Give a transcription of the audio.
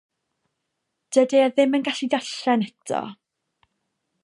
Dydi e ddim yn gallu darllen eto.